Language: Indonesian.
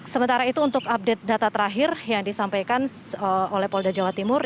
sementara itu untuk update data terakhir yang disampaikan oleh polda jawa timur